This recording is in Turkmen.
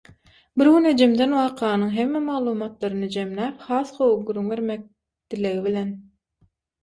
Bir gün ejemden wakanyň hemme maglumatlaryny jemläp has gowy gürrüň bermek dilegi bilen.